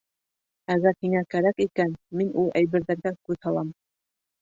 Әгәр һиңә кәрәк икән, мин ул әйберҙәргә күҙ һалам.